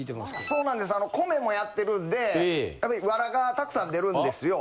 そうなんです米もやってるんでワラがたくさん出るんですよ。